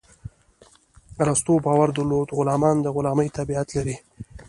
ارسطو باور درلود غلامان د غلامي طبیعت لري.